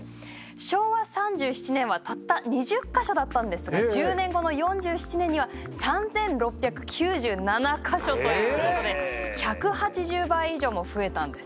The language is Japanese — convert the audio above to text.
昭和３７年はたった２０か所だったんですが１０年後の４７年には３，６９７か所ということで１８０倍以上も増えたんです。